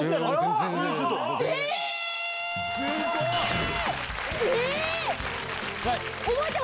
すごい。